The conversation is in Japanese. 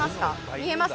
見えます？